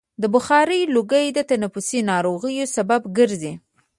د بخارۍ لوګی د تنفسي ناروغیو سبب ګرځي.